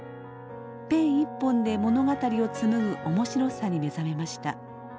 ペン一本で物語を紡ぐ面白さに目覚めました。